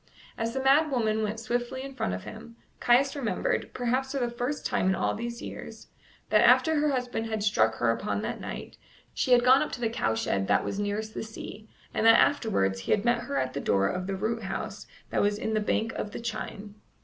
As the mad woman went swiftly in front of him, Caius remembered, perhaps for the first time in all these years, that after her husband had struck her upon that night, she had gone up to the cowshed that was nearest the sea, and that afterwards he had met her at the door of the root house that was in the bank of the chine.